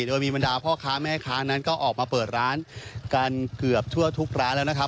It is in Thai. โดยมีบรรดาพ่อค้าแม่ค้านั้นก็ออกมาเปิดร้านกันเกือบทั่วทุกร้านแล้วนะครับ